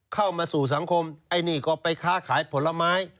เข้ามาสู่สังคมไอ้นี่ก็ไปค้าขายผลไม้